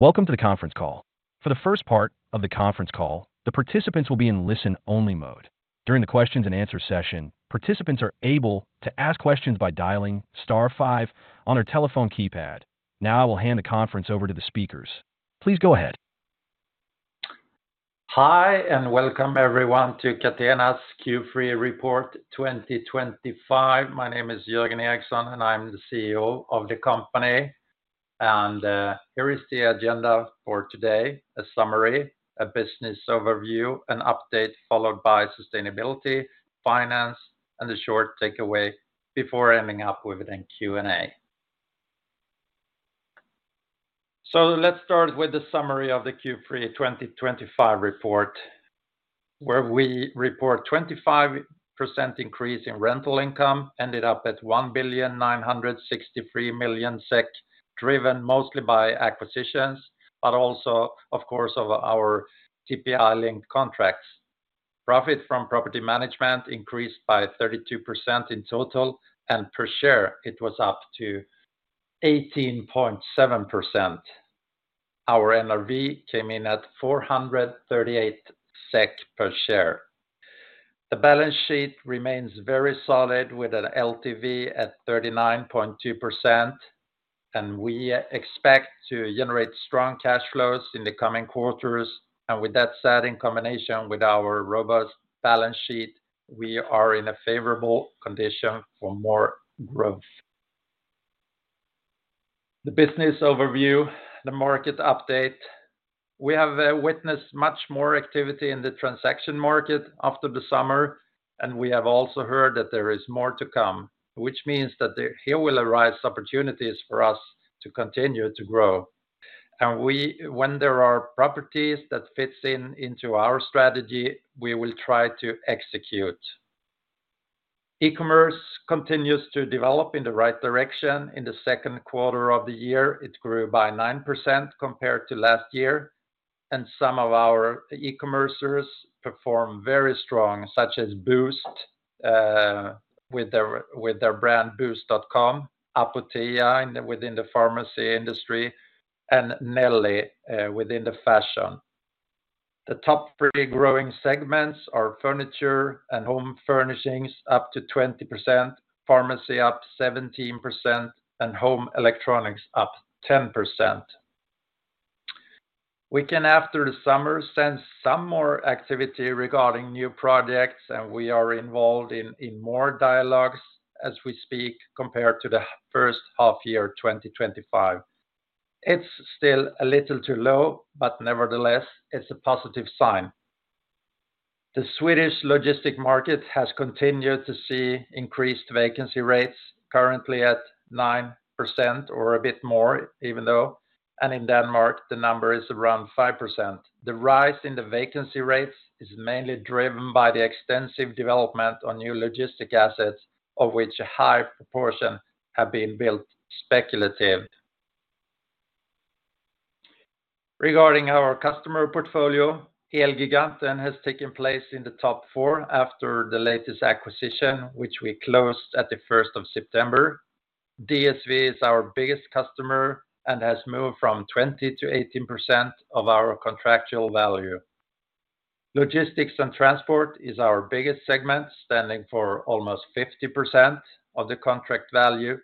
Welcome to the conference call. For the first part of the conference call, the participants will be in listen-only mode. During the questions and answers session, participants are able to ask questions by dialing *5 on their telephone keypad. Now I will hand the conference over to the speakers. Please go ahead. Hi, and welcome everyone to Catena's Q3 report 2025. My name is Jörgen Eriksson, and I'm the CEO of the company. Here is the agenda for today: a summary, a business overview, an update followed by sustainability, finance, and a short takeaway before ending up with a Q&A. Let's start with the summary of the Q3 2025 report, where we report a 25% increase in rental income, ended up at 1,963,000,000 SEK, driven mostly by acquisitions, but also, of course, our CPI-linked contracts. Profit from property management increased by 32% in total, and per share, it was up to 18.7%. Our EPRA NRV came in at 438 SEK per share. The balance sheet remains very solid with an LTV at 39.2%, and we expect to generate strong cash flows in the coming quarters. With that said, in combination with our robust balance sheet, we are in a favorable condition for more growth. The business overview, the market update, we have witnessed much more activity in the transaction market after the summer, and we have also heard that there is more to come, which means that there will arise opportunities for us to continue to grow. When there are properties that fit into our strategy, we will try to execute. E-commerce continues to develop in the right direction. In the second quarter of the year, it grew by 9% compared to last year. Some of our e-commercers performed very strong, such as Boozt with their brand boozt.com, Apotea within the pharmacy industry, and Nelly within the fashion. The top three growing segments are furniture and home furnishings, up to 20%; pharmacy, up 17%; and home electronics, up 10%. We can, after the summer, sense some more activity regarding new projects, and we are involved in more dialogues as we speak compared to the first half-year 2025. It's still a little too low, but nevertheless, it's a positive sign. The Swedish logistics market has continued to see increased vacancy rates, currently at 9% or a bit more, even though. In Denmark, the number is around 5%. The rise in the vacancy rates is mainly driven by the extensive development on new logistics assets, of which a high proportion have been built speculative. Regarding our customer portfolio, Elgiganten has taken place in the top four after the latest acquisition, which we closed at the 1st of September. DSV is our biggest customer and has moved from 20%-18% of our contractual value. Logistics and transport is our biggest segment, standing for almost 50% of the contract value.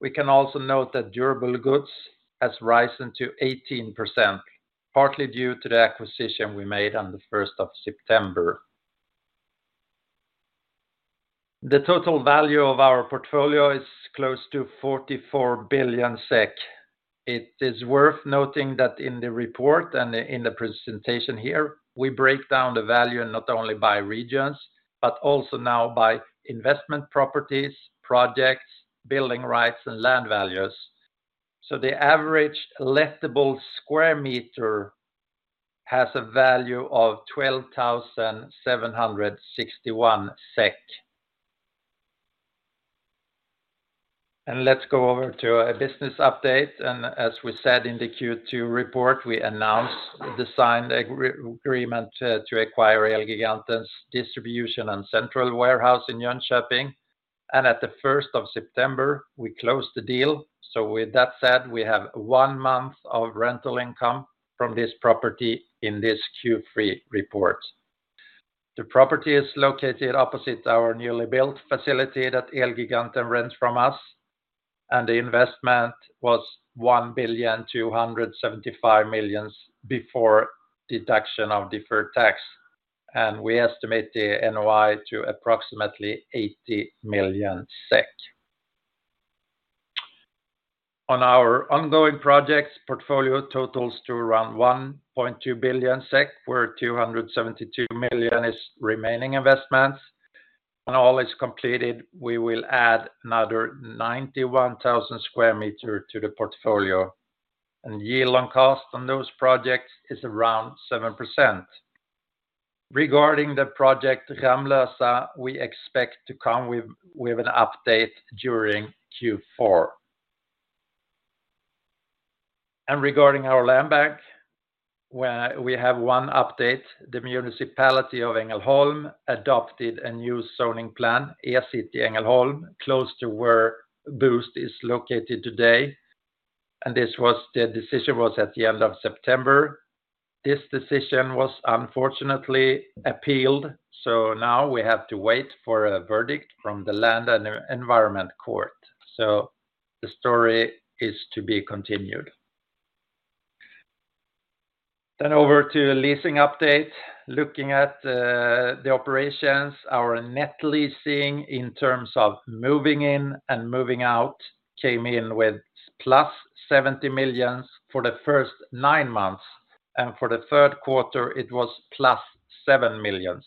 We can also note that durable goods has risen to 18%, partly due to the acquisition we made on the 1st of September. The total value of our portfolio is close to 44 billion SEK. It is worth noting that in the report and in the presentation here, we break down the value not only by regions, but also now by investment properties, projects, building rights, and land values. The average lettable square meter has a value of SEK 12,761. Let's go over to a business update. As we said in the Q2 report, we announced the signed agreement to acquire Elgiganten's distribution and central warehouse in Jönköping. At the 1st of September, we closed the deal. With that said, we have one month of rental income from this property in this Q3 report. The property is located opposite our newly built facility that Elgiganten rents from us. The investment was 1,275,000,000 before deduction of deferred tax. We estimate the NOI to approximately SEK 80,000,000. Our ongoing projects portfolio totals to around 1.2 billion SEK, where 272,000,000 is remaining investments. When all is completed, we will add another 91,000 sq m to the portfolio. Yield on cost on those projects is around 7%. Regarding the project Ramlösa, we expect to come with an update during Q4. Regarding our Lemberg, we have one update. The municipality of Ängelholm adopted a new zoning plan, Ecity Ängelholm, close to where Boozt is located today. This decision was at the end of September. This decision was unfortunately appealed. We have to wait for a verdict from the Land and Environment Court. The story is to be continued. Over to a leasing update. Looking at the operations, our net leasing in terms of moving in and moving out came in with plus 70,000,000 for the first nine months. For the third quarter, it was plus 7,000,000.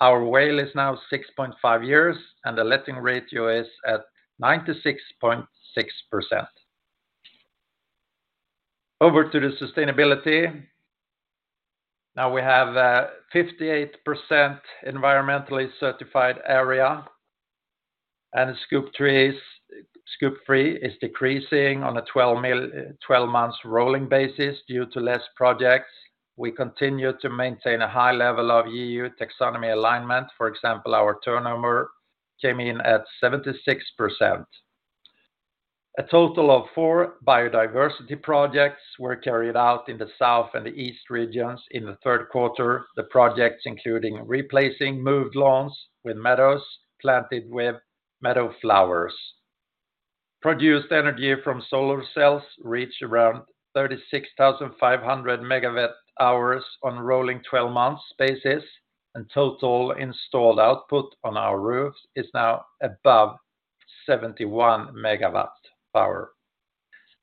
Our WALE is now 6.5 years, and the letting ratio is at 96.6%. Over to the sustainability. Now we have a 58% environmentally certified area. The Scope 3 is decreasing on a 12-month rolling basis due to less projects. We continue to maintain a high level of EU taxonomy alignment. For example, our turnover came in at 76%. A total of four biodiversity projects were carried out in the south and the east regions in the third quarter. The projects included replacing mowed lawns with meadows planted with meadow flowers. Produced energy from solar cells reached around 36,500 megawatt-hours on a rolling 12-month basis. Total installed output on our roofs is now above 71 megawatt power.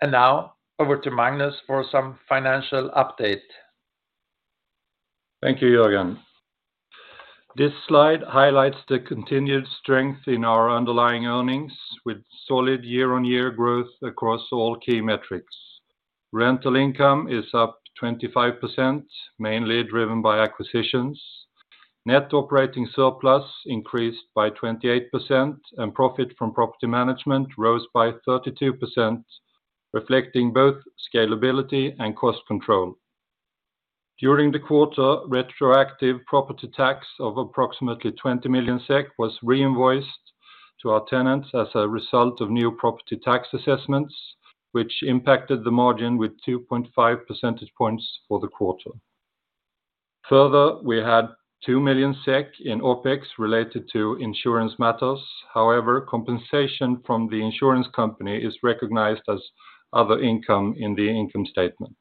Now over to Magnus for some financial update. Thank you, Jörgen. This slide highlights the continued strength in our underlying earnings with solid year-on-year growth across all key metrics. Rental income is up 25%, mainly driven by acquisitions. Net operating surplus increased by 28%, and profit from property management rose by 32%, reflecting both scalability and cost control. During the quarter, retroactive property tax of approximately 20 million SEK was reinvoiced to our tenants as a result of new property tax assessments, which impacted the margin with 2.5 percentage points for the quarter. Further, we had 2 million SEK in OpEx related to insurance matters. However, compensation from the insurance company is recognized as other income in the income statement.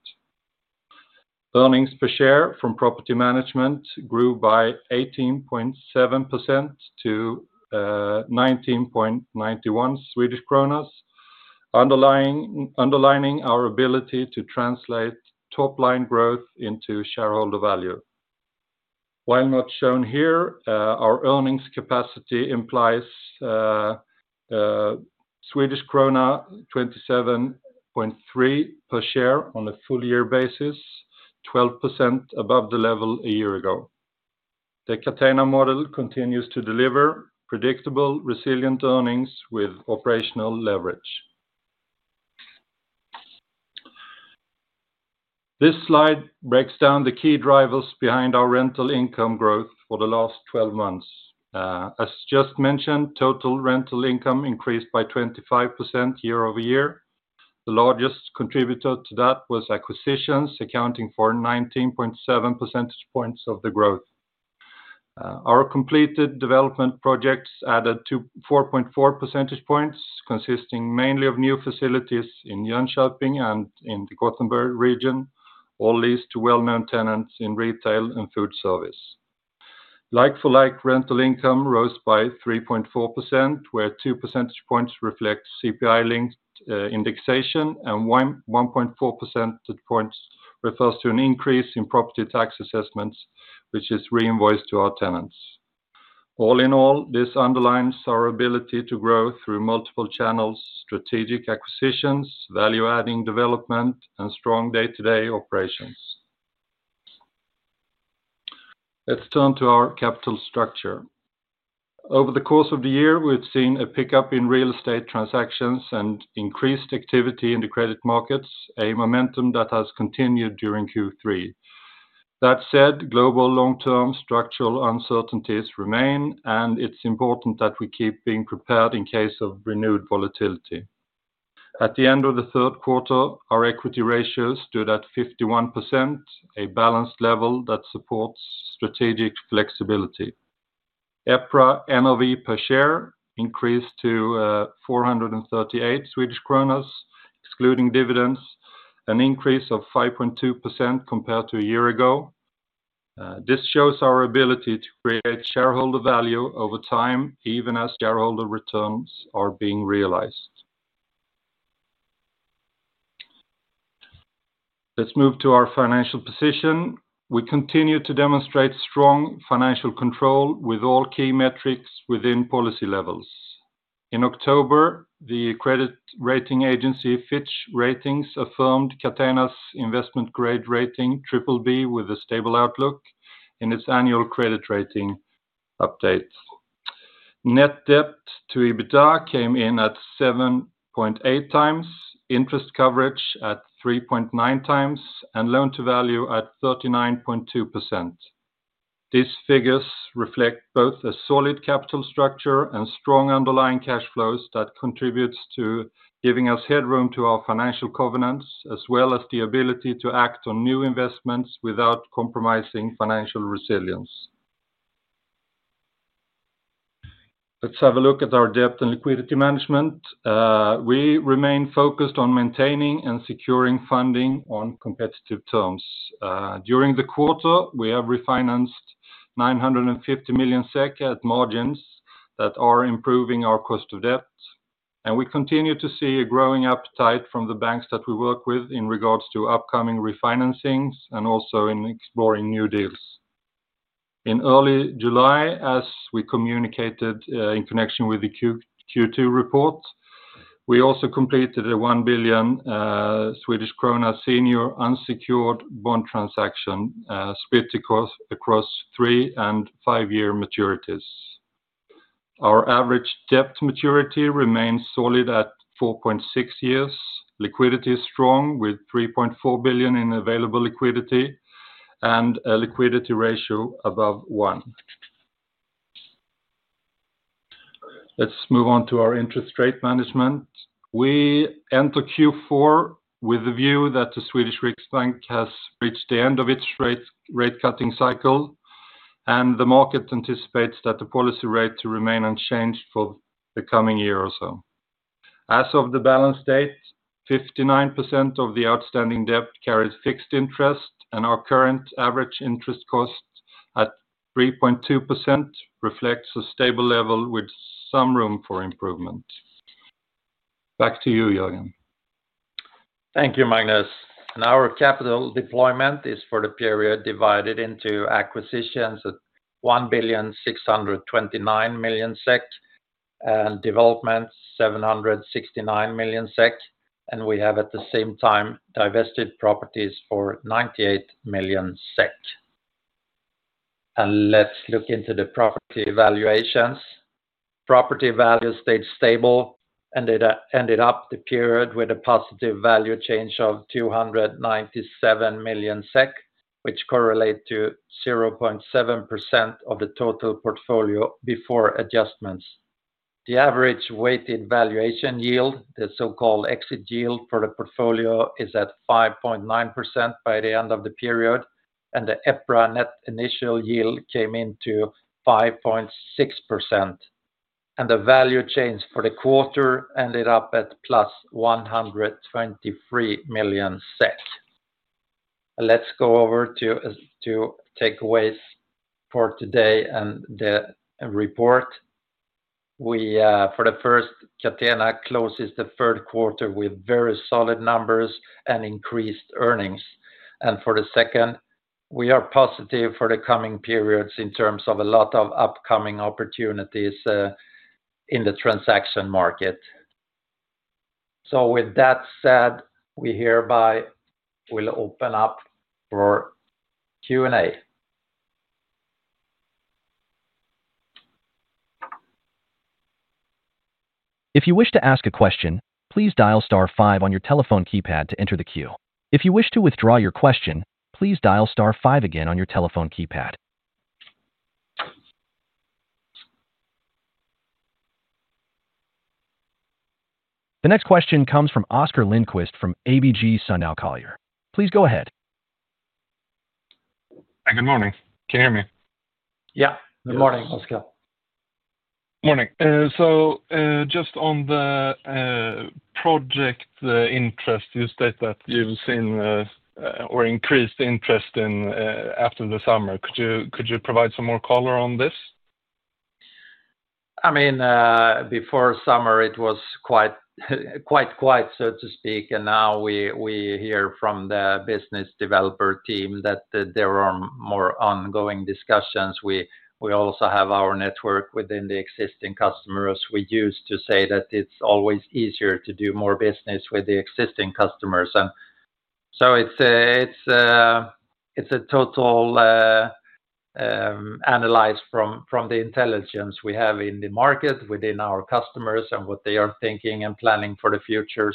Earnings per share from property management grew by 18.7% to 19.91 Swedish kronor, underlining our ability to translate top-line growth into shareholder value. While not shown here, our earnings capacity implies Swedish krona 27.3 per share on a full-year basis, 12% above the level a year ago. The Catena model continues to deliver predictable, resilient earnings with operational leverage. This slide breaks down the key drivers behind our rental income growth for the last 12 months. As just mentioned, total rental income increased by 25% year over year. The largest contributor to that was acquisitions, accounting for 19.7 percentage points of the growth. Our completed development projects added 4.4 percentage points, consisting mainly of new facilities in Jönköping and in the Gothenburg region, all leads to well-known tenants in retail and food service. Like-for-like rental income rose by 3.4%, where 2 percentage points reflect CPI-linked indexation and 1.4 percentage points refers to an increase in property tax assessments, which is reinvoiced to our tenants. All in all, this underlines our ability to grow through multiple channels: strategic acquisitions, value-adding development, and strong day-to-day operations. Let's turn to our capital structure. Over the course of the year, we've seen a pickup in real estate transactions and increased activity in the credit markets, a momentum that has continued during Q3. That said, global long-term structural uncertainties remain, and it's important that we keep being prepared in case of renewed volatility. At the end of the third quarter, our equity ratio stood at 51%, a balanced level that supports strategic flexibility. EPRA NRV per share increased to 438, excluding dividends, an increase of 5.2% compared to a year ago. This shows our ability to create shareholder value over time, even as shareholder returns are being realized. Let's move to our financial position. We continue to demonstrate strong financial control with all key metrics within policy levels. In October, the credit rating agency Fitch Ratings affirmed Catena's investment-grade rating BBB with a stable outlook in its annual credit rating update. Net debt to EBITDA came in at 7.8 times, interest coverage at 3.9 times, and loan-to-value at 39.2%. These figures reflect both a solid capital structure and strong underlying cash flows that contribute to giving us headroom to our financial covenants, as well as the ability to act on new investments without compromising financial resilience. Let's have a look at our debt and liquidity management. We remain focused on maintaining and securing funding on competitive terms. During the quarter, we have refinanced 950 million SEK at margins that are improving our cost of debt. We continue to see a growing appetite from the banks that we work with in regards to upcoming refinancings and also in exploring new deals. In early July, as we communicated in connection with the Q2 report, we also completed a 1 billion Swedish krona senior unsecured bond transaction, split across three and five-year maturities. Our average debt maturity remains solid at 4.6 years. Liquidity is strong with 3.4 billion in available liquidity and a liquidity ratio above one. Let's move on to our interest rate management. We enter Q4 with a view that the Swedish Riksbank has reached the end of its rate-cutting cycle, and the market anticipates that the policy rate to remain unchanged for the coming year or so. As of the balance date, 59% of the outstanding debt carries fixed interest, and our current average interest cost at 3.2% reflects a stable level with some room for improvement. Back to you, Jörgen. Thank you, Magnus. Our capital deployment is for the period divided into acquisitions at 1,629,000,000 SEK and development 769,000,000 SEK. We have, at the same time, divested properties for 98,000,000 SEK. Let's look into the property valuations. Property values stayed stable and ended up the period with a positive value change of 297,000,000 SEK, which correlates to 0.7% of the total portfolio before adjustments. The average weighted valuation yield, the so-called exit yield for the portfolio, is at 5.9% by the end of the period, and the EPRA net initial yield came in to 5.6%. The value change for the quarter ended up at plus 123,000,000 SEK. Let's go over to takeaways for today and the report. First, Catena closes the third quarter with very solid numbers and increased earnings. Second, we are positive for the coming periods in terms of a lot of upcoming opportunities in the transaction market. With that said, we hereby will open up for Q&A. If you wish to ask a question, please dial *5 on your telephone keypad to enter the queue. If you wish to withdraw your question, please dial *5 again on your telephone keypad. The next question comes from Oscar Lindquist from ABG Sundal Collier. Please go ahead. Hi, good morning. Can you hear me? Good morning, Oscar. Morning. On the project interest, you state that you've seen or increased interest after the summer. Could you provide some more color on this? I mean, before summer, it was quite, quite, quite, so to speak. Now we hear from the business developer team that there are more ongoing discussions. We also have our network within the existing customers. We used to say that it's always easier to do more business with the existing customers. It's a total analyze from the intelligence we have in the market within our customers and what they are thinking and planning for the future.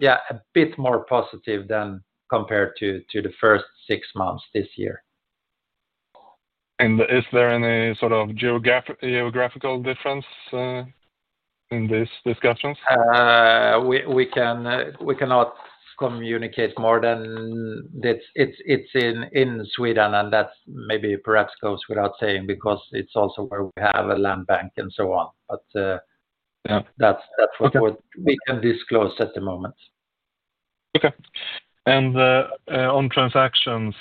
Yeah, a bit more positive than compared to the first six months this year. Is there any sort of geographical difference in these discussions? We cannot communicate more than it's in Sweden, and that perhaps goes without saying because it's also where we have a land bank and so on. That's what we can disclose at the moment. Okay. On transactions,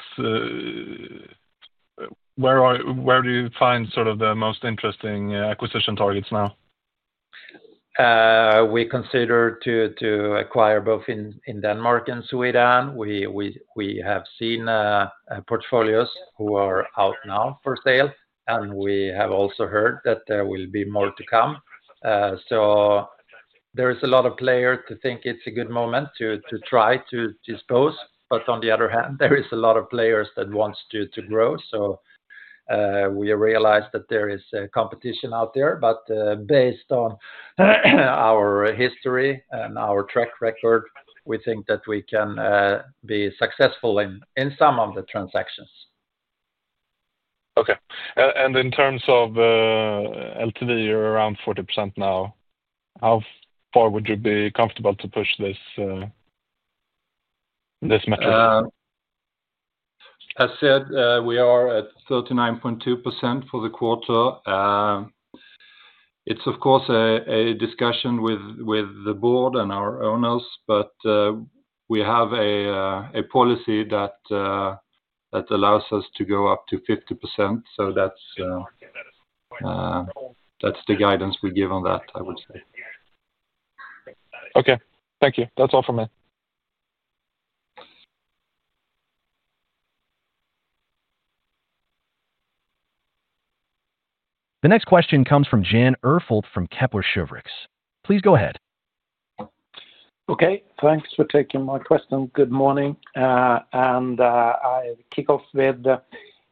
where do you find sort of the most interesting acquisition targets now? We consider to acquire both in Denmark and Sweden. We have seen portfolios who are out now for sale, and we have also heard that there will be more to come. There is a lot of players to think it's a good moment to try to dispose. On the other hand, there is a lot of players that want to grow. We realize that there is competition out there. Based on our history and our track record, we think that we can be successful in some of the transactions. Okay. In terms of LTV, you're around 40% now. How far would you be comfortable to push this metric? As I said, we are at 39.2% for the quarter. It's, of course, a discussion with the board and our owners, but we have a policy that allows us to go up to 50%. That's the guidance we give on that, I would say. Okay. Thank you. That's all from me. The next question comes from Jan Urfold from Kepler Cheuvreux. Please go ahead. Okay. Thanks for taking my question. Good morning. I kick off with the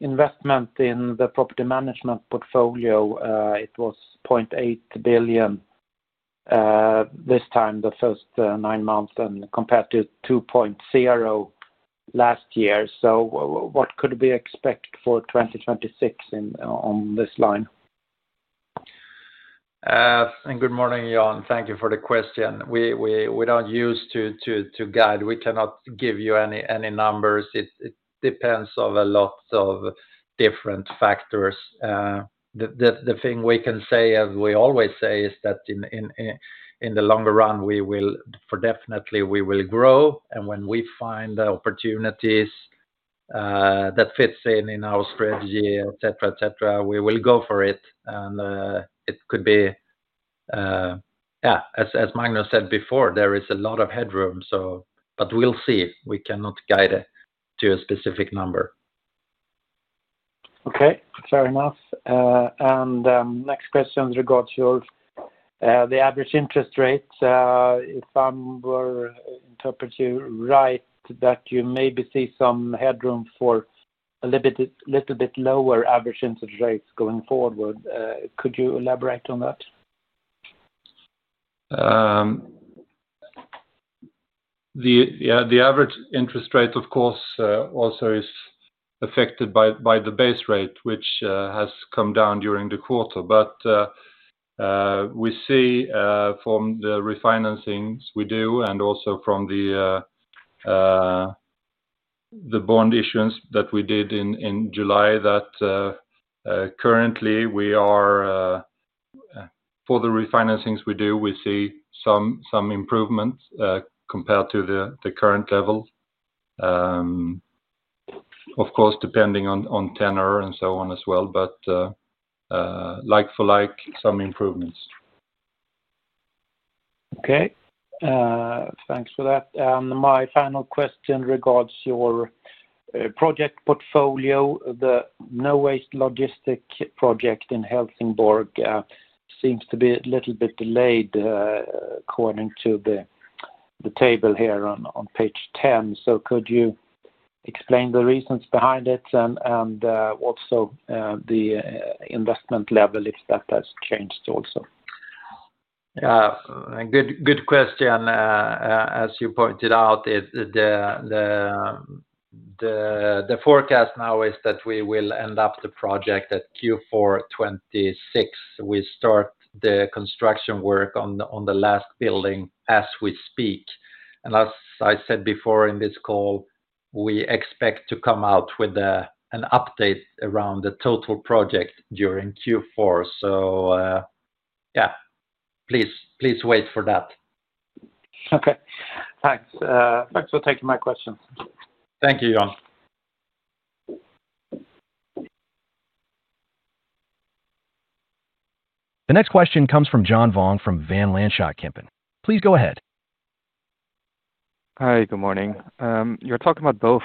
investment in the property management portfolio. It was 0.8 billion this time, the first nine months, and compared to 2.0 billion last year. What could we expect for 2026 on this line? Good morning, Jan. Thank you for the question. We don't use to guide. We cannot give you any numbers. It depends on lots of different factors. The thing we can say, as we always say, is that in the longer run, we will definitely grow. When we find the opportunities that fit in our strategy, etc., we will go for it. It could be, yeah, as Magnus said before, there is a lot of headroom. We'll see. We cannot guide to a specific number. Okay. Fair enough. Next question in regards to the average interest rates. If I were to interpret you right, that you maybe see some headroom for a little bit lower average interest rates going forward. Could you elaborate on that? Yeah. The average interest rate, of course, also is affected by the base rate, which has come down during the quarter. We see from the refinancings we do and also from the bond issuance that we did in July that currently, for the refinancings we do, we see some improvements compared to the current level. Of course, depending on tenor and so on as well. Like for like, some improvements. Okay. Thanks for that. My final question regards your project portfolio. The No Waste Logistics project in Helsingborg seems to be a little bit delayed, according to the table here on page 10. Could you explain the reasons behind it and also the investment level, if that has changed also? Yeah. Good question. As you pointed out, the forecast now is that we will end up the project at Q4 2026. We start the construction work on the last building as we speak. As I said before in this call, we expect to come out with an update around the total project during Q4. Please wait for that. Okay. Thanks. Thanks for taking my question. Thank you, Jan. The next question comes from John Vuong from Van Lanschot Kempen. Please go ahead. Hi. Good morning. You're talking about both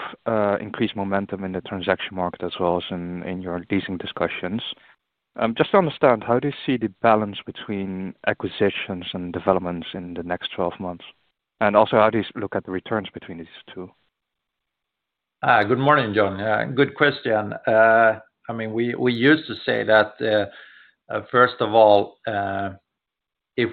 increased momentum in the transaction market as well as in your leasing discussions. Just to understand, how do you see the balance between acquisitions and developments in the next 12 months? Also, how do you look at the returns between these two? Good morning, John. Good question. I mean, we used to say that, first of all, if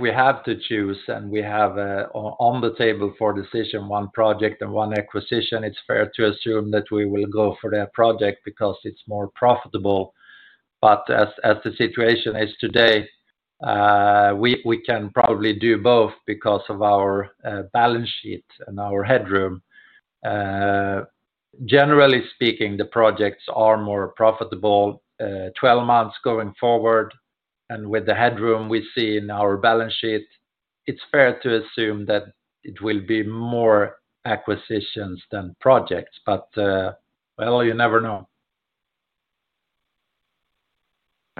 we have to choose and we have on the table for decision one project and one acquisition, it's fair to assume that we will go for that project because it's more profitable. As the situation is today, we can probably do both because of our balance sheet and our headroom. Generally speaking, the projects are more profitable 12 months going forward. With the headroom we see in our balance sheet, it's fair to assume that it will be more acquisitions than projects. You never know.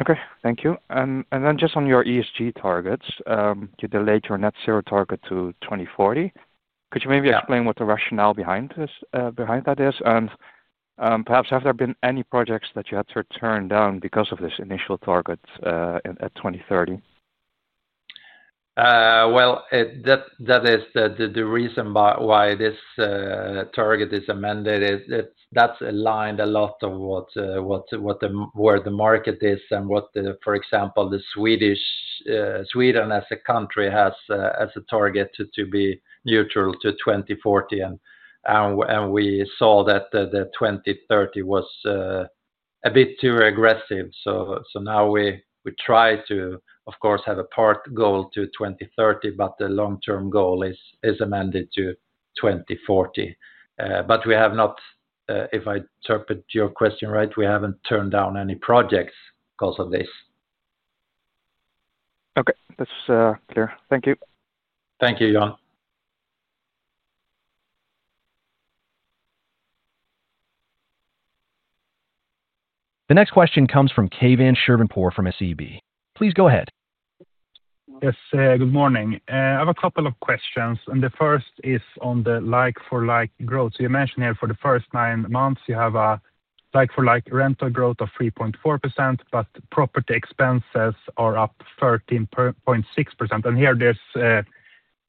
Okay. Thank you. On your ESG targets, you delayed your net zero target to 2040. Could you maybe explain what the rationale behind that is? Perhaps, have there been any projects that you had to turn down because of this initial target at 2030? That is the reason why this target is amended. That's aligned a lot of what the market is and what, for example, Sweden as a country has as a target to be neutral to 2040. We saw that the 2030 was a bit too aggressive. We try to, of course, have a part goal to 2030, but the long-term goal is amended to 2040. If I interpret your question right, we haven't turned down any projects because of this. Okay. That's clear. Thank you. Thank you, John. The next question comes from Kayvan Shirvani from SEB. Please go ahead. Yes. Good morning. I have a couple of questions. The first is on the like-for-like growth. You mentioned here for the first nine months, you have a like-for-like rental growth of 3.4%, but property expenses are up 13.6%. There are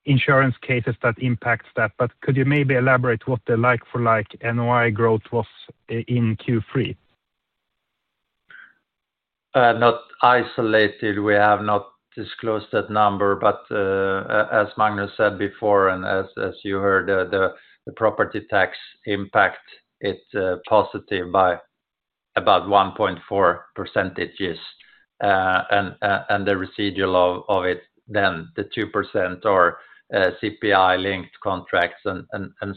insurance cases that impact that. Could you maybe elaborate what the like-for-like NOI growth was in Q3? Not isolated. We have not disclosed that number. As Magnus said before, and as you heard, the property tax impact is positive by about 1.4% and the residual of it, then the 2% or CPI-linked contracts and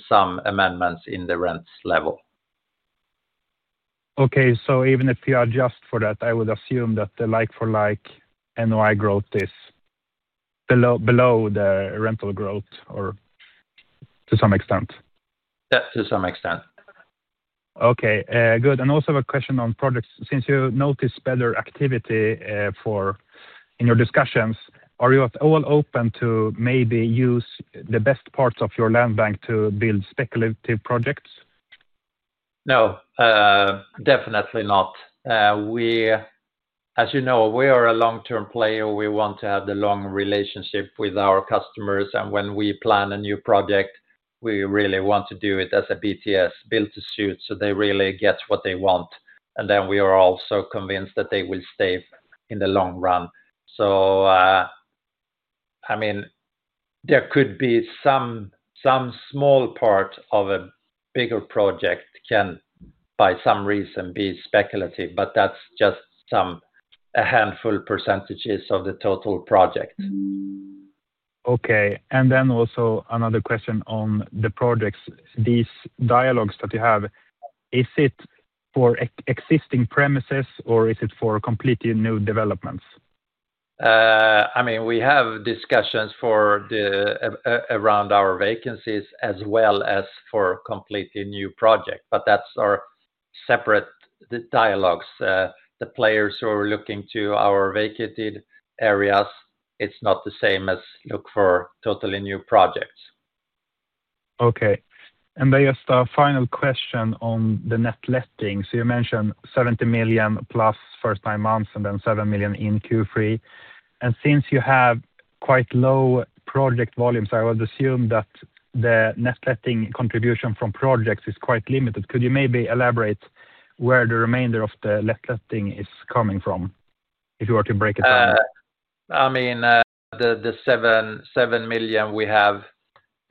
some amendments in the rents level. Okay. Even if you adjust for that, I would assume that the like-for-like NOI growth is below the rental growth or to some extent. Yeah, to some extent. Okay. Good. I also have a question on projects. Since you notice better activity in your discussions, are you at all open to maybe use the best parts of your land bank to build speculative projects? No, definitely not. As you know, we are a long-term player. We want to have the long relationship with our customers. When we plan a new project, we really want to do it as a build-to-suit, so they really get what they want. We are also convinced that they will stay in the long run. There could be some small part of a bigger project that can, by some reason, be speculative, but that's just some handful % of the total project. Okay. Also, another question on the projects. These dialogues that you have, is it for existing premises or is it for completely new developments? I mean, we have discussions around our vacancies as well as for completely new projects. That's our separate dialogues. The players who are looking to our vacated areas, it's not the same as those who look for totally new projects. Okay. Just a final question on the net letting. You mentioned 70 million plus for the first nine months and then 7 million in Q3. Since you have quite low project volumes, I would assume that the net letting contribution from projects is quite limited. Could you maybe elaborate where the remainder of the net letting is coming from if you were to break it down? I mean, the 7 million we have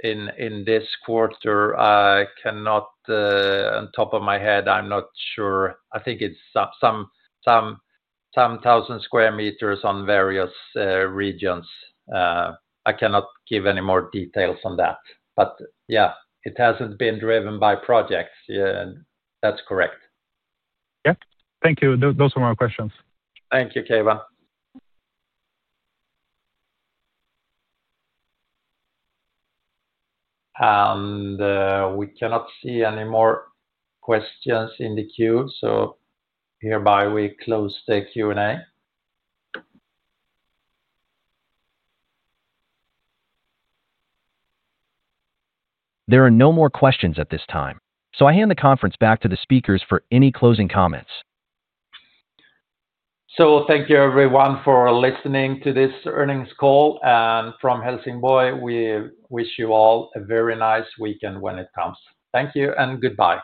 in this quarter, I cannot on top of my head, I'm not sure. I think it's some thousand square meters on various regions. I cannot give any more details on that. Yeah, it hasn't been driven by projects. Yeah, that's correct. Okay. Thank you. Those were my questions. Thank you, Kayvan. We cannot see any more questions in the queue. Hereby, we close the Q&A. There are no more questions at this time. I hand the conference back to the speakers for any closing comments. Thank you, everyone, for listening to this earnings call. From Helsingborg, we wish you all a very nice weekend when it comes. Thank you and goodbye.